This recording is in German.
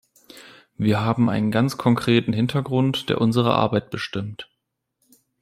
Wir haben einen ganz konkreten Hintergrund, der unsere Arbeit bestimmt.